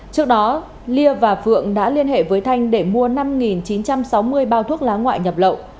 trước đó ly và phượng đã liên hệ với thanh để mua năm chín trăm sáu mươi bao thuốc lá ngoại nhập lậu